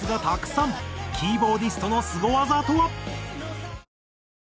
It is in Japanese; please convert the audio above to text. キーボーディストのスゴ技とは！？